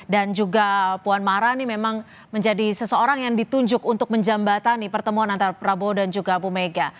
dan juga puan mara ini memang menjadi seseorang yang ditunjuk untuk menjembatani pertemuan antara prabowo dan juga bu mega